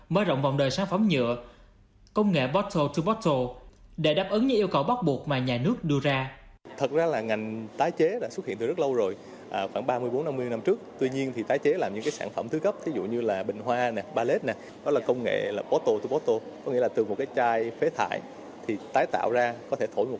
mở rộng vòng đời sản phẩm nhựa công nghệ bottle to bottle